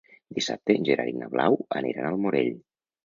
Dissabte en Gerard i na Blau aniran al Morell.